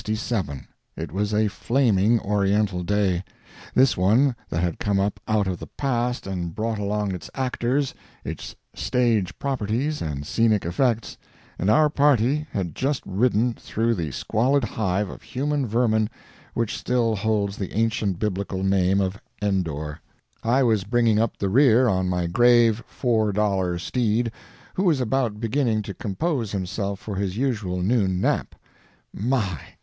It was a flaming Oriental day—this one that had come up out of the past and brought along its actors, its stage properties, and scenic effects—and our party had just ridden through the squalid hive of human vermin which still holds the ancient Biblical name of Endor; I was bringing up the rear on my grave four dollar steed, who was about beginning to compose himself for his usual noon nap. My!